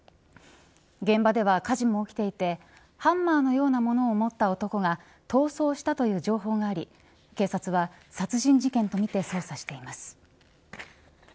現場では火事も起きていてハンマーのようなものを持った男が逃走したとの情報があり警察は殺人事件とみて捜査しています。